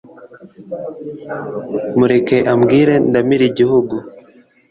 mureke ambwire ndamire igihugu